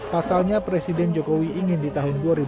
pasalnya presiden jokowi ingin di tahun dua ribu dua puluh